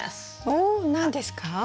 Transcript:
おっ何ですか？